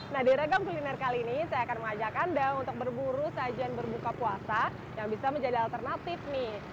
nah di ragam kuliner kali ini saya akan mengajak anda untuk berburu sajian berbuka puasa yang bisa menjadi alternatif nih